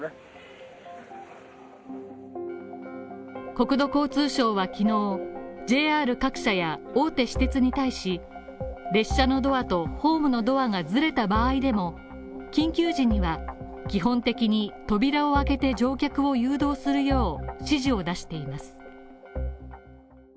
国土交通省は昨日、ＪＲ各社や大手私鉄に対し、列車のドアとホームドアがずれた場合でも緊急時には基本的に扉を開けて乗客を誘導するよう指示を出しています。